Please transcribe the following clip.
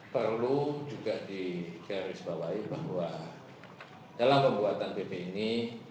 perlu juga dikerisbawahi bahwa dalam pembuatan bp ini